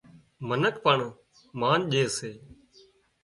منک پڻ مانَ ڄي سي